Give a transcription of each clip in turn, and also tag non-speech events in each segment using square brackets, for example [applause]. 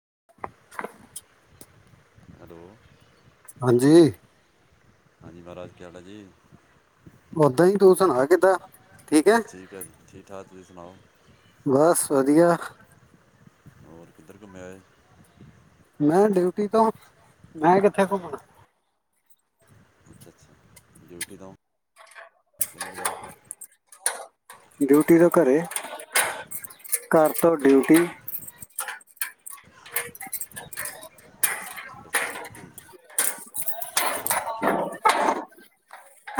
[inaudible] Hello. ਹਾਂਜੀ। ਹਾਂਜੀ ਮਹਾਰਾਜ ਕੇ ਹਾਲ ਹੈ ਜੀ। ਓਦਾਂ ਹੀ ਤੂੰ ਸੁਣਾ ਕਿੱਦਾਂ? ਬਸ ਠੀਕ ਹੈ ਜੀ, ਠੀਕ ਠਾਕ ਤੁਸੀਂ ਸੁਣਾਓ? ਬਸ ਵਧੀਆ। ਹੋਰ ਕਿੱਧਰ ਘੁੰਮਿਆਏ? ਮੈਂ ਡਿਊਟੀ ਤੋਂ, ਮੈਂ ਕਿੱਥੇ ਘੁੰਮਣਾ। ਅੱਛਾ ਅੱਛਾ ਡਿਊਟੀ ਤੋਂ ਕਿੰਨੇ ਵਜੇ ਆਏ ਡਿਊਟੀ ਤੋਂ ਘਰੇ, ਘਰ ਤੋਂ ਡਿਊਟੀ।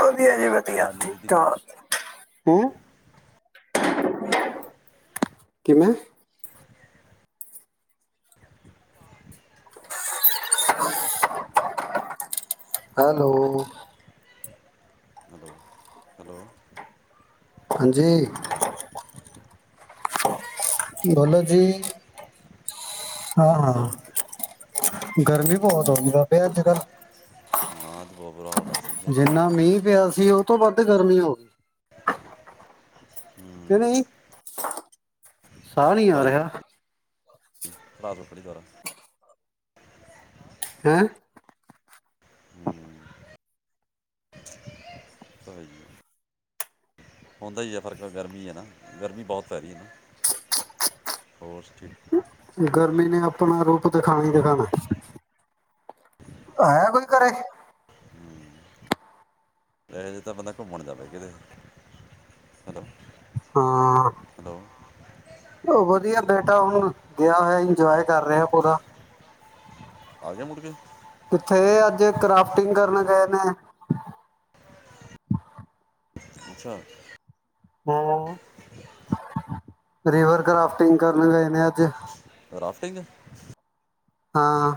ਹਾਂ [unintelligible] ਵਧੀਆ ਜੀ ਵਧੀਆ ਰਾਜਨੀ ਠੀਕ ਦੀਦੀ ਠਾਕ। ਹੈਂ ਕਿਵੇਂ ਹੈਲੋ ਹੈਲੋ ਹੈਲੋ ਹਾਂਜੀ ਹੋਰ ਗਲ ਜੀ ਹਾਂ ਤੁਸੀਂ ਹਾਂ ਦੱਸੋ ਗਰਮੀ ਬਹੁਤ ਹੋ ਗਈ ਵਾਬੇ ਅੱਜ ਕੱਲ ਹਾਂ ਅੱਜ ਬਹੁਤ ਬੁਰਾ ਹਾਲ ਆ ਸਹੀ ਗੱਲ ਆ ਜਿੰਨਾ ਮੀਂਹ ਪਿਆ ਜ ਉਹ ਤੋਂ ਵੱਧ ਗਰਮੀ ਹੋ ਗਈ ਕਿ ਨਹੀਂ ਸਾਹ ਨੀ ਆ ਰਿਹਾ ਭਤ ਖੜੀ ਦੁਆਰਾ ਹੈਂ ਹੂੰ ਤਾਂ ਹੈ ਹੀ ਆ। ਹੁੰਦਾ ਹੀ ਹੈ ਫ਼ਰਕ ਗਰਮੀ ਹੈ ਨਾ ਗਰਮੀ ਬਹੁਤ ਪੈ ਰਹੀ ਹੈ ਨਾ ਹੋਰ ਠੀਕ ਗਰਮੀ ਨੇ ਆਪਣਾ ਰੂਪ ਕੁਤੇ ਖਾਣਾ ਤੇ ਖਾਣਾ ਆਇਆ ਕੋਈ ਘਰੇ ਇਹ ਜ ਤਾਂ ਬੰਦਾ ਘੁੰਮਣ ਜਾਵੇ ਕਿਤੇ ਹੈਲੋ ਹਾਂ ਹੈਲੋ ਵਧੀਆ ਬੇਟਾ ਹੁਣ ਗਿਆ ਹੋਇਆ ਇੰਜੋਏ ਕਰ ਰਿਹਾਹਾ ਪੂਰਾ ਆਜ ਮੁੜ ਕੇ ਕਿੱਥੇ ਅੱਜ ਕਰਾਫਟਿੰਗ ਕਰਨ ਗਏ ਨੇ [unintelligible] ਹਮ ਰਿਵਰ ਕਰਾਫਟਿੰਗ ਕਰਨ ਗਏ ਨੇ ਅੱਜ ਟ੍ਰਰਾਫਿੰਗ ਹਾਂ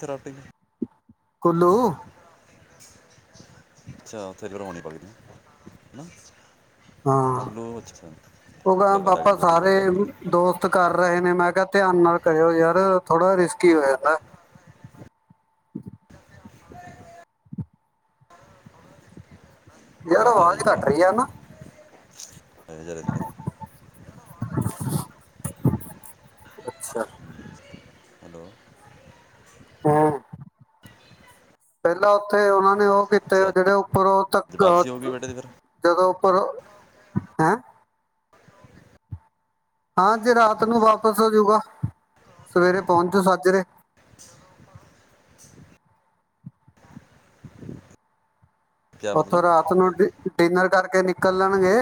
ਥਰਾ ਪੇ ਹੈ ਕੁੱਲੂ ਅੱਛਾਥੇਰਵਾਉਣੀ ਪਕਦੀ ਹਨ ਹਾਂ ਉਹ ਕ ਲਗਾ ਪਾਪਾ ਡਾਕਟਰ ਜੋੜੀ ਸਾਰੇ ਪੜਦੇ ਆਪਣੀ ਦੋਸਤ ਕਰ ਰਹੇ ਨੇ ਮੈਂ ਕਿਹਾ ਧਿਆਨ ਨਾਲ ਕਰਿਓ ਯਾਰ ਥੋੜਾ ਰਿਸਕੀ ਹੋ ਜਾਂਦਾ ਹ ਯਾਰ ਆਵਾਜ਼ ਘੱਟ ਰਹੀ ਆ ਨਾ ਹ ਜ਼ ਅੱਛਾ ਹੈਲੋ ਹਮ ਪਹਿਲਾਂ ਉੱਥੇ ਉਹਨਾਂ ਨੇ ਉਹ ਕੀਤੇ ਜਿਹੜੇ ਉੱਪਰ ਉਹ ਅਤੇ ਵਾਪਸੀ ਹੋ ਗਈ ਬੇਟੇ ਦੀ ਫਿਰ ਪਰ ਹੈਂ ਹਾਂ ਜੇ ਰਾਤ ਨੂੰ ਵਾਪਿਸ ਹੋਜੂਗਾ ਸਵੇਰੇ ਪਹੁੰਚੂ ਸਾੱਜਰੇ ਕੀ ਉੱਥੋਂ ਮਤਲਬ ਰਾਤ ਨੂੰਿ ਡਿਨਰ ਕਰਕੇ ਨਿਕਲ ਲਣਗੇ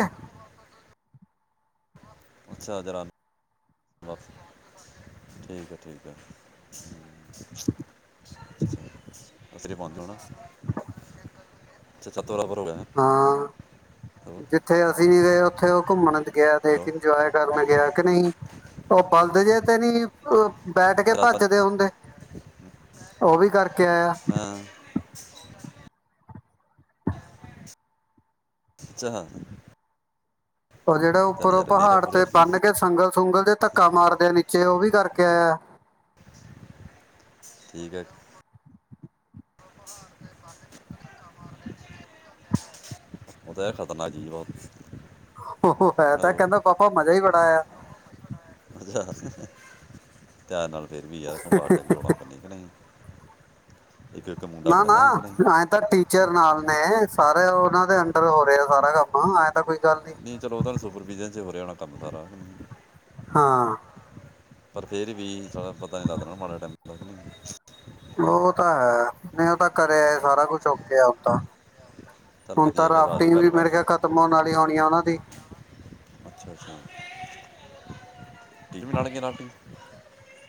ਅੱਛਾ ਜਰਾ ਠੀਕ ਹੈ ਠੀਕ ਹੈ ਅਸਰੀ ਪਹੁੰਚ ਹੋਣਾ ਹ ਅੱਛਾ ਤੋਰਾ ਪਰ ਹੋ ਗਿਆ ਹਾਂ ਹਲੋ ਜਿੱਥੇ ਅਸੀਂ ਨ ਗਏ ਉੱਥੇ ਉਹ ਘੁੰਮਣ ਦੇ ਗਿਆ ਦੇਖ ਹਲੋ ਇੰਜੋਏ ਕਰਨ ਗਿਆ ਨਹੀਂ ਉਹ ਪਲਦ ਜੇ ਤੇ ਨਹੀਂੀ ਬੈਠ ਕੇ ਅਰਾ ਤਾਂ ਭੱਜਦੇ ਹੁੰਦੇ ਉਹ ਵੀ ਕਰਕੇ ਆਇਆ ਹਾਂ ਸ ਉਹ ਜਿਹੜਾ ਉੱਪਰੋਂ ਪਹਾੜ ਪੂਰੇ ਤੇ ਬੰਨ ਕੇ ਸੰਗਲ ਸੁੰਗਲ ਦੇ ਧੱਕਾ ਮਾਰਦੇ ਆ ਨੀਚੇ ਉਹ ਵੀ ਕਰਕੇ ਆਇਆ ਠੀਕ ਹੈ ਉਹ ਤਾਂ ਇਹ ਖ਼ਤਰਨਾਕ ਜੀਜ਼ ਬਹੁਤ ਉਹ ਹੈ ਤਾਂ ਹਲੋ ਕਹਿੰਦਾ ਪਾਪਾ ਮਜ਼ਾ ਹੀ ਬੜਾ ਆ ਤਿਆਰ ਨਾਲ ਫੇਰ ਵੀ ਯਾਰਬਾਰ ਤ ਚੋਣਾਂ ਕਰਨੀ ਕਿ ਨਹੀਂ ਇੱਕ ਇੱਕ ਮੁੰਡਾ ਨਾ ਨਾ ਬਣਦਾ ਕਿ ਨਹੀਂ ਐਏਂ ਤਾਂ ਟੀਚਰ ਨਾਲ ਨੇ ਸਾਰੇ ਉਹਨਾਂ ਦੇ ਅੰਡਰ ਹੋ ਰਿਹਾ ਆ ਸਾਰਾ ਕੰਮ ਤਾਂ ਕੋਈ ਗੱਲ ਨਹੀਂ ਨੀ ਚਲੋਦਾ ਸ ਸੁਪਰ ਬੀਜ਼ ਹੋਰ ਜਾਣਾ ਕੰਮ ਸਾਰਾ ਹਾਂ ਪਰ ਫੇਰ ਵੀ ਚ ਪਤਾ ਨੀ ਲੱਗਦਾਣਾ ਮਾੜੇ ਟਾਈਮ ਨਹੀਂ ਉਹ ਤਾਂ ਹੈ ਮੈਂ ਉਹ ਤਾਂ ਕਰਿਆ ਸਾਰਾ ਕੁਛ ਕੇਿਆ ਦਾਂ ਚੱਲ ਹੁਣ ਤਾਂ ਵਧੀਆ ਕਿ ਆ ਜਾਓ ਰਾਫਟਿੰਗ ਘਰ ਵੀ ਮੇਰੇ ਵਾਪਸ ਕਿਹਾ ਖ਼ਤਮ ਹੋਣ ਵਾਲੀ ਹੋਣੀ ਆ ਉਹਨਾਂ ਦੀ ਅੱਛਾ ਅੱਛਾ ਟੀ ਵੀ ਨਾਲ ਗ ਨਾਲ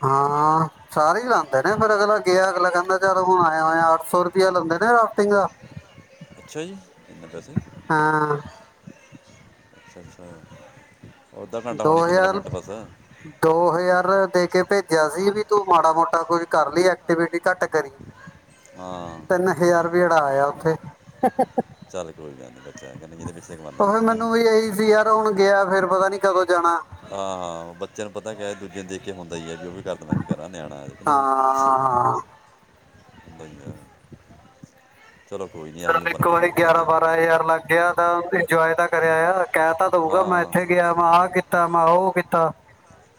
ਹਾਂ ਸਾਰੇ ਲਾਦੇ ਨੇ ਫਿਰ ਅਗਲਾ ਗਿਆ ਅਗਲਾ ਕਹਿੰਦਾ ਚਾਰ ਹੁਣ ਆਇਆ ਹੋਇਆ ਅੱਠ ਸੌ ਰੁਪਇਆ ਲੈਂਦੇ ਨੇ ਰਾਫਟਿੰਗ ਦਾ ਅੱਛਾ ਜੀ ਇੰੇ ਪੈਸੇ ਹਾਂ ਅੱਛਾ ਅੱਛਾ ਅੱਧਾ ਘੰਟਾ ਦੋ ਹੋਣੀ ਹਜ਼ਾਰ ਮਿੰਟ ਬਸ ਦੋ ਹਜ਼ਾਰ ਦੇ ਕੇ ਭੇਜ ਸੀ ਵੀ ਤੂੰ ਮਾੜਾ ਮੋਟਾ ਕੁਝ ਕਰ ਲਈ ਐਕਟੀਵਿਟੀ ਘੱਟ ਕਰੀ ਹਾਂ ਵਿੇਹੜਾ ਆਇਆ ਉੱਥੇ ਚੱਲ ਕੋਈ ਗੱਲ ਨਹੀਂ ਬੱਚਾ ਹੈ ਕਿ ਨਹੀਂ ਇਹਦੇ ਪਿੱਛੇ ਕਮਾਉਂਦੇ ਉਹ ਫਿਰ ਜੀ ਨਹੀਂ ਮੈਨੂੰ ਵੀ ਇਹੀ ਸੀ ਯਾਰ ਹੁਣ ਗਿਆ ਫੇਿਰ ਪਤਾ ਨੀ ਕਦੋਂ ਜਾਣਾ ਹਾਂ ਹਾਂ ਬੱਚਿਆਂ ਨੂੰ ਪਤਾ ਕਿ ਦੂਜੇ ਨੂੰ ਦੇਖ ਕੇ ਹੁੰਦਾ ਹੀ ਹੈ ਵੀ ਕਰ ਦੇਣਾ ਵੀ ਕਰਾਂ ਨਿਆਣਾ ਆ ਨਹੀਂ ਹਾਂ ਬਦਿਆ ਚਾਨੂੰ ਇੱਕ ਵਾਰੀ ਗਿਆਰਾਂ ਬਾਰਾਂ ਹਜ਼ਾਰ ਲੱਗ ਗਿਆ ਤਾਂ ਉਹਦੇ ਇੰਜੋਏ ਤਾਂ ਕਰ ਆਇਆ। ਕਹਿ ਤਾ ਦਊਗਾ ਮੈਂ ਹਾਂ ਇੱਥੇ ਗਿਆ ਵੈਂ ਆਹ ਕੀਤਾ। ਮੈਂ ਉਹ ਕੀਤਾ।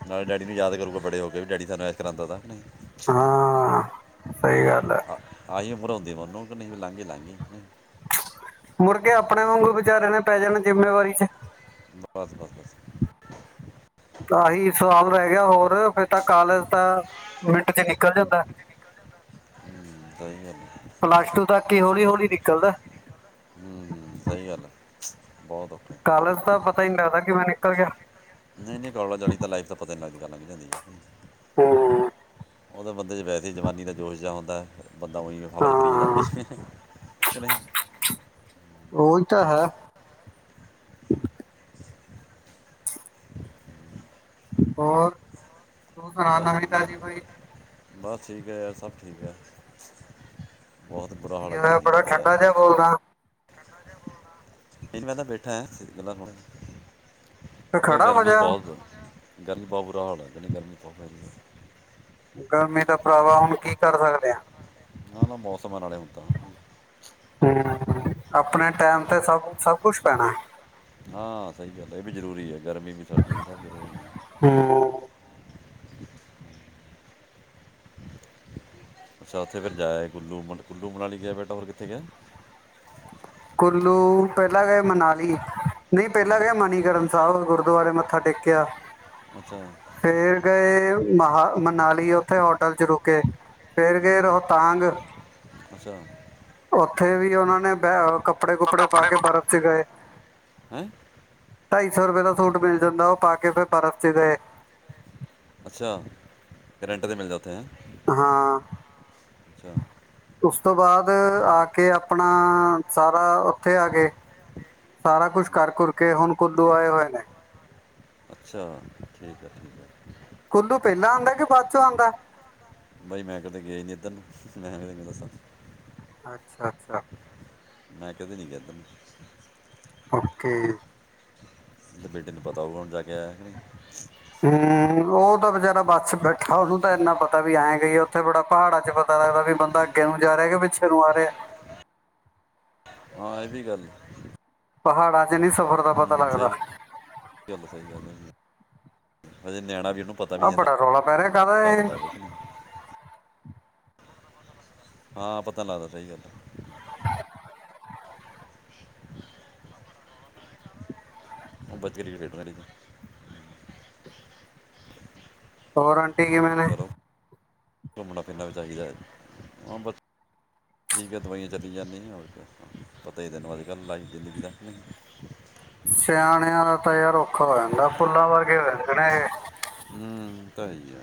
ਨਾਲੇ ਡੈਡੀ ਨੂੰ ਯਾਦ ਕਰੂਗਾ ਬੜੇ ਹੋ ਕੇ ਵੀ ਡੈਡੀ ਸਾਨੂੰ ਇਸ ਤਰ੍ਹਾਂ ਦਾ ਤ ਨਹੀਂ। ਅੱਛਾ। ਹਾਂ ਸਹੀ ਗੱਲ ਹੈ। ਆਹੀ ਉਮਰ ਹੁੰਦੀ ਮਨ ਕਿ ਨਹੀਂ ਵੀ ਲਾਂਘੀ ਲਾਂਘਗੀ। ਮੁੜਕੇ ਆਪਣੇ ਵਾਂਗੂ ਵਿਚਾਰੇ ਨੇ ਪੈ ਜਾਣੇ ਜਿੰਮੇਵਾਰੀ ਚ ਬਸ ਬਸ ਤਾਂਹੀ ਸਵਾਲ ਰਹਿ ਗਿਆ ਹੋਰ ਫਿਰ ਤਾਂ ਕਾਲਜ ਤਾਂ ਮਿੰਟ ਚ ਨਿਕਲ ਜਾਂਦਾ ਹੂੰ, ਸਹੀ ਗੱਲ ਹੈ। ਪਲੱਸ ਟੂ ਤੱਕ ਹੀ ਹੌਲੀ ਹੌਲੀ ਨਿਕਲਦਾ। ਹੂੰ ਸਹੀ ਗੱਲ ਹੈ। ਬਹੁਤ ਔਖਾ ਹੈ। ਕਾਲਜ ਦਾ ਪਤਾ ਹੀ ਨਹੀਂ ਲੱਗਦਾ ਕਿਵੇਂ ਨਿਕਲ ਗਿਆ। [unintelligible] ਤਾਂ ਲਾਈਫ ਤਾਂ ਪਤਾ ਇ ਦੀ ਗੱਲ ਲੰਘ ਜਾਂਦੀ ਹੈ ਹੂੰ ਉਹਦੇ ਬੰਦੇ ਚ ਵੈਸੇ ਹੀ ਜਵਾਨੀ ਦਾ ਜੋਸ਼ ਜਿਹਾ ਹੁੰਦਾ। ਬੰਦਾ ਉਹੀ ਹਵਾ 'ਚ ਫਰੀ ਜਾਂਦਾ ਹਾਂ ਆਪਣੀ ਕੇ ਨੀ ਉਹੀ ਤਾਂ ਹੈ। ਹੋਰ ਤੂੰ ਸੁਣਾ ਬਸ ਨਵੀ ਵਧੀਆ ਤਾਜੀ ਬਾਈ ਬਸ ਠੀਕ ਹੈ ਯਾਰ ਸਭ ਠੀਕ ਹੈ। ਬਹੁਤ ਬੁਰਾ ਹਾਲ ਕੀ ਹੈ ਹੋਇਆ ਗਰਮੀ ਬੜਾ ਦਾ ਤਾਂ ਯਾਰ ਠੰਡਾ ਜਿਹਾ ਬੋਲਦਾ। ਨਹੀਂ ਮੈਂ ਬੈਠਾ ਆ ਗੱਲਾਂ ਸੁਣਦਾ। ਤੇ ਮੈਂ ਕਿਹਾ ਖੜਾ ਹੋ ਗਰਮੀ ਜਾ ਬਹੁਤ ਗਰਮੀ ਬੋਤ ਬੁਰਾ ਹਾਲ ਹੈ ਗਰਮੀ ਪਾ ਹੈ। ਗਰਮੀ ਦਾ ਭਰਾਵਾ ਹੁਣ ਕੀ ਕਰ ਸਕਦੇ ਹਾਂ। ਨਾ ਨਾ ਮੌਸਮਾਂ ਨਾਲੇ ਹੁੰਦਾ ਹੂੰ ਆਪਣੇ ਟੈਮ ਤੇ ਸਭ ਸਭ ਕੁਛ ਪੈਣਾ ਹਾਂ ਸਹੀ ਗੱਲ ਹੈ ਇਹ ਵੀ ਜ਼ਰੂਰੀ ਹੈ। ਗਰਮੀ ਵੀ ਸਰਦੀ ਵੀ ਸਭ ਜ਼ਰੂਰੀ ਹੈ। ਹੂੰ ਅੱਛਾ ਉੱਥੇ ਫਿਰ ਜਾਇਏ ਕੁੱਲੂ ਕੁੱਲੂ ਮਨਾਲੀ ਗਿਆ ਬੇਟਾ ਹੋਰ ਕਿੱਥੇ ਗਿਆ। ਕੁੱਲੂ ਪਹਿਲਾਂ ਗਏ ਮਨਾਲੀ ਨਹੀਂ ਪਹਿਲਾਂ ਹੂੰ, ਗਏ ਮਨੀਕਰਨ ਸਾਹਿਬ ਗੁਰਦੁਆਰੇ ਮੱਥਾ ਟੇਕਿਆ ਅੱਛਾ ਫੇਰ ਗਏ ਮਹਾ ਮਨਾਲੀ ਉੱਥੇ ਹੋਟਲ 'ਚ ਰੁਕੇ ਫਿਰ ਗਏ ਰੋਹਤਾਂਗ ਅੱਛਾ ਉੱਥੇ ਵੀ ਉਹਨਾਂ ਨੇ ਬ ਕੱਪੜੇ ਕੁਪੜੇ ਪਾ ਕੇ ਬਰਫ਼ ਚ ਗਏ ਹੈ ਢਾਈ ਸੌ ਰੁਪਏ ਦਾ ਸੂਟ ਮਿਲ ਜਾਂਦਾ ਉਹ ਪਾ ਕੇ ਫਿਰ ਬਰਫ਼ ਚ ਗਏ। ਅੱਛਾ ਕਰ ਰੈਂਟ ਤੇ ਮਿਲ ਜਾਤੇ ਹੈ। ਹਾਂ ਅੱਛਾ ਉਸ ਤੋਂ ਬਾਅਦ ਆ ਕੇ ਆਪਣਾ ਸਾਰਾ ਉੱਥੇ ਆ ਗ ਸਾਰਾ ਕੁਛ ਕਰ ਘੁਰ ਕੇ ਹੁਣ ਕੁੱਦੂ ਆਏ ਹੋਏ ਨੇ ਅੱਛਾ ਠੀਕ ਹੈ ਠੀਕ ਹੈ ਕੁੱਲੂ ਪਹਿਲਾਂ ਆਉਂਦਾ ਕਿ ਬਾਅਦ ਚੋਂ ਆਉਂਦਾ ਬਾਈ ਮੈਂ ਕਦੇ ਗਏ ਨੀ ਇੱਧਰ ਨੂੰ ਮੈਂ ਤੈਨੂੰ ਦੱਸਾਂ ਅੱਛਾ ਅੱਛਾ ਮੈਂ ਕਦੇੋਂ ਨਹੀਂ ਚਦ ਓਕੇ ਤੇ ਬੇਟੇ ਨੂੰ ਪਤਾ ਉਹਊ ਹੁਣ ਜਾ ਕੇ ਆਇ ਹੂੰ ਉਹ ਤਾਂ ਬਚਾਰਾ ਬੱਸ ਚ ਬੈਠਾ ਉਹਨੂੰ ਤਾਂ ਇੰਨਾ ਪਤਾ ਵੀ ਆਏਂ ਗਈਏ ਉੱਥੇ ਬੜਾ ਪਹਾੜਾਂ ਚ ਪਤਾ ਲੱਗਦਾ ਵੀ ਬੰਦਾ ਅੱਗੇ ਨੂੰ ਜਾ ਰਿਹਾ ਕਿ ਪਿੱਛੇ ਨੂੰ ਆ ਰਿਹਾ ਹਾਂ ਇਹ ਵੀ ਗੱਲ ਪਹਾੜਾਂ ਚ ਨਹੀਂੀ ਸਫ਼ਰ ਦਾ ਪਤਾ ਹੂੰ ਲੱਗਦਾ ਸਹੀ ਹ ਨਿਆਣਾ ਵੀ ਉਹਨੂੰ ਪਤਾ ਵੀ ਆਹ ਨਹੀਂ ਹੈ ਬੜਾ ਰੌਲਾ ਪੈ ਰਿਹਾ ਹਿਸਾਬ ਕਵੇ ਕਿਤਾਬ ਹੈ ਕਿ ਨਹੀਂ ਹਾਂ ਪਤਾ ਨਹੀਂੀ ਲੱਗਦਾ ਸਹੀ ਗੱਲ ਆ [inaudible] ਉਹ ਵਧੀਆ ਰੇਟ ਮਰੀ ਜੀ ਹੋਰ ਠੀਕ ਮੈਂੇ ਚਲੋ ਘੁੰਮਣਾ ਫਿਰਨਾ ਵੀ ਚਾਹੀਦਾ ਹੈ ਹਾਂ ਬਸ ਠੀਕ ਹੈ ਦਵਾਈਆਂ ਚੱਲ ਜਾਂਦੀਆਂ ਰ ਪਤਾ ਹੀ ਤਨੂੰ ਅੱਜ ਕੱਲ੍ਹ ਲਾਈਵ ਜ਼ਿੰਦਗੀ ਦਾੱਕ ਨਹੀਂ ਸਿਆਣਿਆਂ ਤਾਂ ਯਾਰ ਔਖਾ ਹੋ ਜਾਂਦਾ ਫੁੱਲਾਂ ਵਰਗੇ ਹੋ ਜਾਂਦੇ ਨੇ ਸਹੀ ਹੈ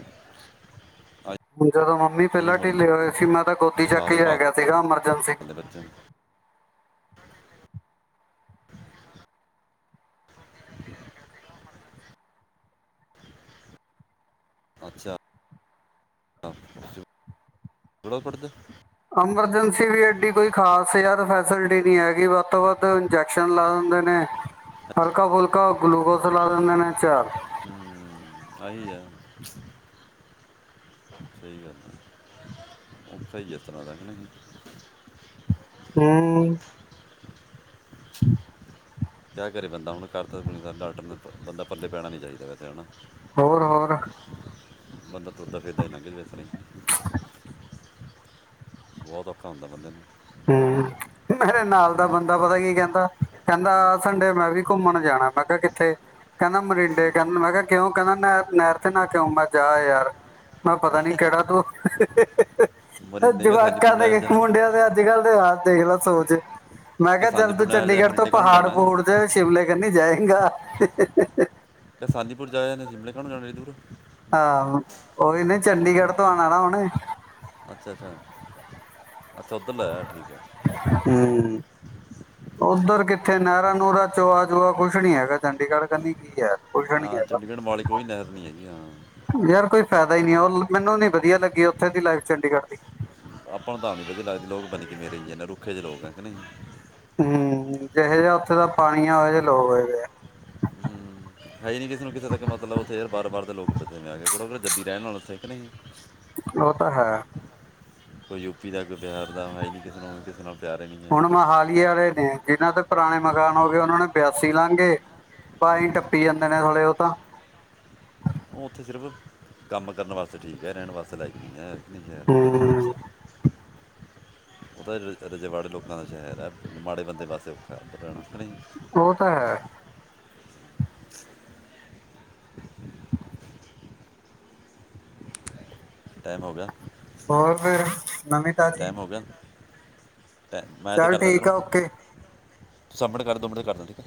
ਹਣ ਜਦੋਂ ਮੰਮੀ ਪਹਿਲਾਂ ਢਿੱਲੇ ਹੋਏ ਸੀ ਮੈਂ ਤਾਂ ਗੋਦੀ ਹੈ, ਚੱਕ ਹੀ ਸਾਰੇ ਲੈ ਭਾਲ ਗਿਆ ਸੀਗਾਰ ਇੱਕਦਮ ਸ ਦੇ ਬੱਚੇ ਨੂੰ। ਅੱਛਾ ਬੜ ਪੜਦੇ ਐਮਰਜੈਂਸੀ ਵੀ ਐਡੀ ਕੋਈ ਖ਼ਾਸ ਯਾਰ ਫੈਸਿਲਿਟੀ ਨਹੀਂ ਹੈਗੀ ਵੱਧ ਤੋਂ ਵੱਧ ਇੰਜੈਕਸ਼ਨ ਲਾ ਦਿੰਦੇ ਨੇ ਹਲਕਾ ਫੁਲਕਾ ਗਲੂਕੋਸ ਲਾ ਦਿੰਦੇ ਨੇ ਚਾਰ ਆਹੀ ਹੈ ਸਹੀ ਗੱਲ ਆ ਥ ਜਤਨਾ ਰਹੀਂ ਹ ਹ ਕਿਆ ਕਰੇ ਬੰਦਾ ਹੁਣ ਕਰਰ ਡਾਟਰ ਬਦਾ ਪੱਲੇ ਪੈਣਾ ਨੀ ਚਾਹੀਦਾ ਕਿਥੇ ਹਨਾ ਹੋਰ ਹੋਰ ਬੰਦ ਫੌਦਾ ਫਿਰਦਾ ਹੀ ਲਾਘਸਾਰੇ ਬਹੁਤ ਔਖਾ ਹੁੰਦਾ ਬੰਦੇ ਨੂੰ ਹਮ ਮੇਰੇ ਨਾਲ ਦਾ ਮੰਮੀ, ਬੰਦਾ ਪਤਾ ਕੀ ਕਹਿੰਦਾ ਕਹਿੰਦਾ ਆ ਸੰਡੇ ਮੈਂ ਵੀ ਘੁੰਮਣ ਜਾਣਾ ਮੈਂ ਕਿਹਾ ਕਿੱਥੇ ਕਹਿੰਦਾ ਮਰਿੰਡੇ ਕਹਿੰ ਮੈਂ ਕਿਹਾ ਕਿਉਂ ਕਹਿੰਦਾ ਨਹਿ ਨਹਿਰ ਤੇ ਨਾ ਕਿਉਂ ਮੈਂ ਜਾ ਯਾਰ ਮੈਂ ਪਤਾ ਨੀ ਕਿਹੜਾ ਤੂੰ ਮਰਿੰਡੇ ਕੇ ਸਾਨੀਪੁਰ ਜਵਾਾਕਾਂ ਨਹਿਰ ਦੇ ਜਾ ਮੁੰਡਿਆਂ ਦੇ ਦੇਖਲਾ ਸੋਜੇ ਮੈਂ ਕਿ ਕਿਹਾ ਚੱਲ ਸਾਨੀਪੁਰ ਤੂੰ ਨਹਿਰ ਜਾ ਚੰਡੀਗੜ੍ਹ ਤੋਂ ਮਰਿੰਡੇ ਕਾਹਨੂੰ ਪਹਾੜ ਜਾਣਾ ਪਹਾੂੜ ਚ ਸ਼ਿਮਲੇ ਕਰਨੀ ਜਾਏ। ਚੰਗਾ। ਕ ਕਿਸਾਨੀਪੁਰ ਜਾਇ ਨੇ ਸ਼ਿਮਲੇ [unintelligible] ਹਾਂ। ਓਹੀਨੇ ਚੰਡੀਗੜ੍ਹ ਤੋਂ ਆਉਣਾ ਨਾ ਉਹੁਨੇ [unintelligible] ਅੱਛਾ ਅੱਛਾ। ਅੱਛਾ ਉੱਧਰ ਲੈ ਠੀਕ ਹੈ। ਹੂੰ ਉੱਧਰ ਕਿੱਥੇ ਨਹਿਰਾ ਨੂਰਾ ਚੋਆ ਚੋਆ ਕੁਛ ਨੀ ਹੈਗਾ ਚੰਡੀਗੜ੍ਹ ਕਹਿੰਦੀ ਕੀ ਯ ਹਾਂ ਚੰਡੀਗੜ੍ਹ ਮੋਹਾਲੀ ਕੋਈ ਨਹਿਰ ਨਹੀਂ ਹੈਗੀ ਹਾਂ। ਯਾਰ ਕੋਈ ਫਾਇਦਾ ਹੀ ਨਹੀਂ ਉਹ ਮੈਨੂੰ ਨੀ ਵਧੀਆ ਲੱਗੀ ਉੱਥੇ ਦੀ ਲਾਈਫ ਚੰਡੀਗੜ੍ਹ ਦੀ ਆਪਾਂ ਨੂੰ ਤਾਂ ਵਧੀ ਲੱਗਦੇ ਲੋਕ ਬਣੀ ਕਿ ਮੇਰੇ ਨੇ ਰੁੱਖੇ ਦੇ ਲੋਕ ਹੈ ਨਹੀਂ। ਹੂੰ ਜਿਹਾ ਜਿਆ ਉੱਥੇ ਦਾ ਪਾਣੀੀਆਂ ਉਹ ਜੇ ਲੋ ਹੋ ਹੈ। ਹੀ ਨਹੀਂ ਕਿਸੇ ਨੂੰ ਕਿਸੇ ਤੱਕ ਮਤਲਬ ਉੱਥੇ ਯਾਰ ਬਾਰ ਬਾਰਰ ਦੇ ਲੋਕ ਬੇ ਆਏ ਜੱਦੀ ਰਹਿਣ ਨਾਲ ਉਥੇ ਇੱਕ ਨਹੀਂ ਸੀ। ੳ ਤਾ ਹੈ। ਕੋਈ ਯੂ ਪੀ ਦਾ ਕੋਈ ਬਿਹਾਰ ਦਾ ਹੈ ਜੀ ਕਿਸੇ ਨੂੰ ਕਿਸੇ ਨਾਲ ਪਿਆਰ ਹੀ ਨਹੀਂ ਹੈ ਹੁਣ ਮੋਹਾਲੀ ਆ ਨੇ ਜਿਹਨਾਂ ਦੇ ਪੁਰਾਣੇ ਮਕਾਨ ਹੋ ਗਏ ਉਹਨਾਂ ਨੇ ਬਿਆਸੀ ਲਾਂਗੇ ਭਏਂ ਟੱਪੀ ਜਾਂਦੇ ਨੇ ਥ੍ਹੇ ਉਹ ਤਾਂ ਉਹ ਉੱਥੇ ਸਿਰਫ ਕੰਮ ਕਰਨ ਵਾਸਤੇ ਠੀਕ ਹੈ, ਰਹਿਣ ਵਾਸਤੇ ਲਾਇਕ ਗਈ ਹੈ। ਨੀ ਹੈ। ਹੂੰ ਉਹ ਤਾਂ ਰ ਰਜੇਵਾੜੇ ਲੋਕਾਂ ਦਾ ਸ਼ਹਿਰ ਹੈ ਮਾੜੇ ਬੰਦੇ ਵਾਸਤੇ ਔਖਾ ਇੱਧਰ ਰਹਿਣਾ ਕਿ ਨਹੀਂ ਉਹ ਤਾਂ ਹੈ। ਟਾਈਮ ਹੋ ਗਿਆ। ਹੋਰ। [inaudible] ਨਵੀਂ ਤਾਜੀ। ਟਾਈਮ ਹੋ ਗਿਆ ਚੱਲ ਠੀਕ ਆ ਓਕੇ। ਸਮਣੇ ਕਰ ਦੋ ਮਟ ਕਰਦ ਠੀਕ ਹੈ।